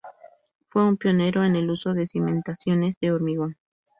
Fue un pionero en el uso de cimentaciones de hormigón.